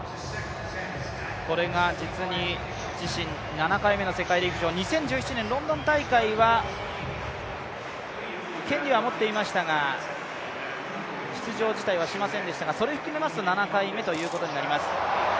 これが実に自身７回目の世界陸上、２０１７年ロンドン大会は権利は持っていましたが出場自体はしませんでしたがそれ含めまして７回目となります。